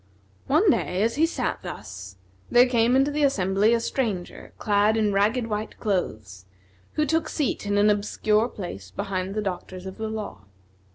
One day as he sat thus, there came into the assembly a stranger, clad in ragged white clothes, who took seat in an obscure place behind the doctors of the law.